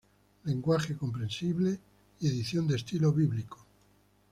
Lenguaje comprensible y edición de estilo bíblico.